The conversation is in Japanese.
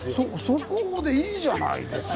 そこでいいじゃないですか。